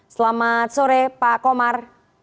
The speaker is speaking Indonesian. selamat sore pak komar